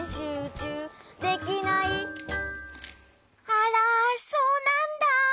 あらそうなんだ。